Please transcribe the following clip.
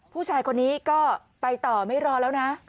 ผู้ชายคนนี้ก็ไปต่อไม่รอแล้วนะ